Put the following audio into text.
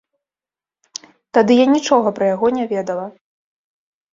Тады я нічога пра яго не ведала.